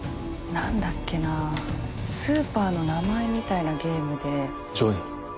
何だっけなぁスーパーの名前みたいなゲームで。